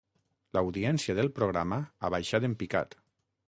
L'audiència del programa ha baixat en picat.